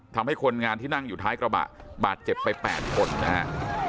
ทำให้คนงานที่นั่งอยู่ท้ายกระบะบาดเจ็บไป๘คนนะครับ